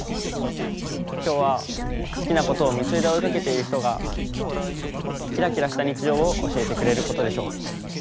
今日は好きなことを夢中で追いかけている人がきらきらした日常を教えてくれることでしょう。